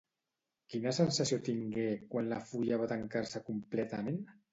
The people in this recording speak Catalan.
Quina sensació tingué quan la fulla va tancar-se completament?